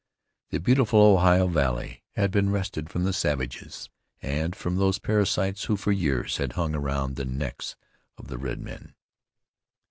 The beautiful Ohio valley had been wrested from the savages and from those parasites who for years had hung around the necks of the red men.